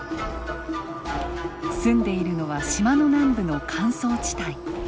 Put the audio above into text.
住んでいるのは島の南部の乾燥地帯。